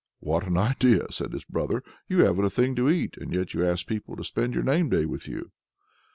"What an idea!" said his rich brother: "you haven't a thing to eat, and yet you ask people to spend your name day with you!"